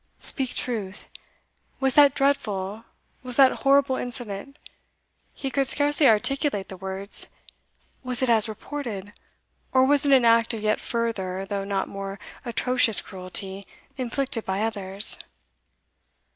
Speak truth was that dreadful was that horrible incident" he could scarcely articulate the words "was it as reported? or was it an act of yet further, though not more atrocious cruelty, inflicted by others?"